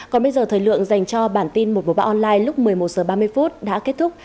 còn bây giờ thời lượng dành cho bản tin một trăm một mươi ba online lúc một mươi một h ba mươi đã kết thúc